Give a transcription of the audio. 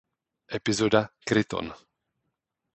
Epizoda "Kryton"